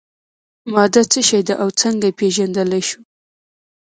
ماده څه شی ده او څنګه یې پیژندلی شو.